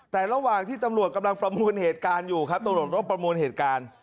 แต่ระหว่างที่ตำรวจกำลังประมูลเหตุการณ์อยู่ครับตำรวจรบประมวลเหตุการณ์